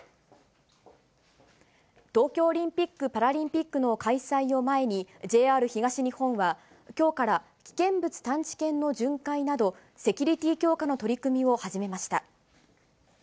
東京オリンピック・パラリンピックの開催を前に、ＪＲ東日本はきょうから危険物探知犬の巡回など、セキュリティー強化の取り組みを始めました。